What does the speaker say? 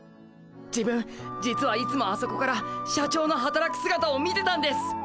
自分実はいつもあそこから社長のはたらくすがたを見てたんです。